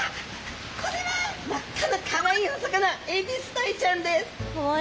これは真っ赤なかわいいお魚エビスダイちゃんです。